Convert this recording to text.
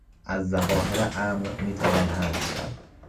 از ظواهر امر میتوان حدس زد.